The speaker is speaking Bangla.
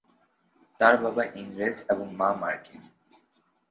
তার বাবা ইংরেজ এবং মা মার্কিন।